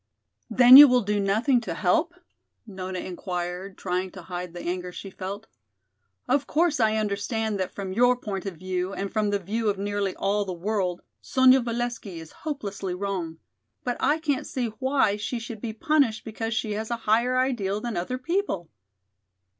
"Then you will do nothing to help?" Nona inquired, trying to hide the anger she felt. "Of course I understand that from your point of view and from the view of nearly all the world Sonya Valesky is hopelessly wrong. But I can't see why she should be punished because she has a higher ideal than other people?"